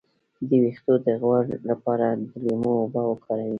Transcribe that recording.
د ویښتو د غوړ لپاره د لیمو اوبه وکاروئ